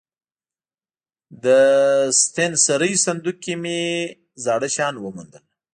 د ستنسرۍ صندوق کې مې زاړه شیان وموندل.